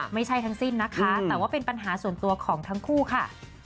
ไม่ใช่ทั้งสิ้นนะคะแต่ว่าเป็นปัญหาส่วนตัวของทั้งคู่ค่ะ